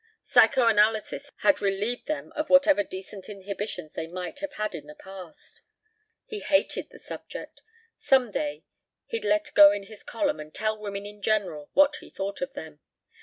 Psychoanalysis had relieved them of whatever decent inhibitions they might have had in the past. He hated the subject. Some day he'd let go in his column and tell women in general what he thought of them.